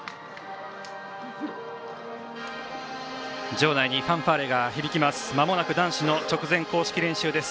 場内にファンファーレが響きます。